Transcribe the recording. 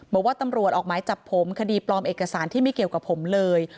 บอกว่าตำรวจออกหมายจับผมคดีปลอมเอกสารที่ไม่เกี่ยวกับผมเลย